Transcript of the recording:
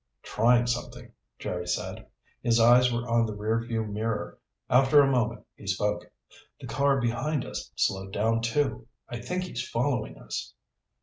"Trying something," Jerry said. His eyes were on the rearview mirror. After a moment he spoke. "The car behind us slowed down, too. I think he's following us."